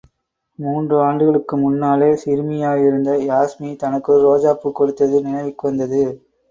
மூன்று ஆண்டுகளுக்கு முன்னாலே சிறுமியாயிருந்த யாஸ்மி தனக்கொரு ரோஜாப் பூக் கொடுத்தது நினைவுக்கு வந்தது.